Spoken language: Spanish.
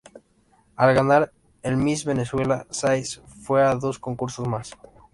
Al ganar el Miss Venezuela, Sáez fue a dos concursos más.